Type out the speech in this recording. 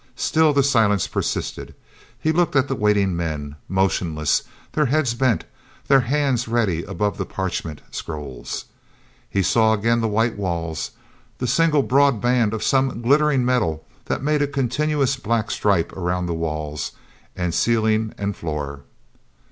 Still the silence persisted. He looked at the waiting men, motionless, their heads bent, their hands ready above the parchment scrolls. He saw again the white walls, the single broad band of some glittering metal that made a continuous black stripe around walls and ceiling and floor.